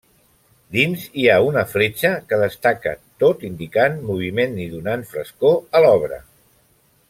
Dins hi ha una fletxa que destaca, tot indicant moviment i donant frescor a l'obra.